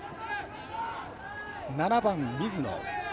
７番、水野。